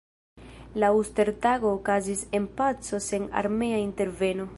La Uster-Tago okazis en paco sen armea interveno.